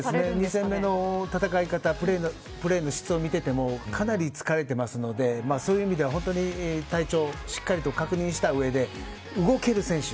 ２戦目の戦い方プレーの質を見ていてもかなり疲れているのでそういう意味では体調をしっかり確認した上で動ける選手